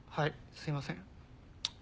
すいません。